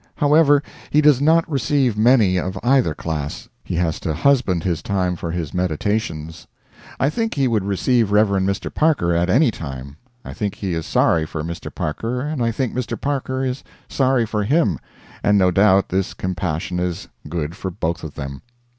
However, he does not receive many of either class. He has to husband his time for his meditations. I think he would receive Rev. Mr. Parker at any time. I think he is sorry for Mr. Parker, and I think Mr. Parker is sorry for him; and no doubt this compassion is good for both of them.